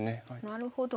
なるほど。